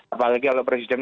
apalagi kalau presiden